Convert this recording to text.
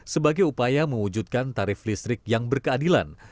sebagai upaya mewujudkan tarif listrik yang berkeadilan